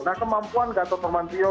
nah kemampuan gatot nurmantio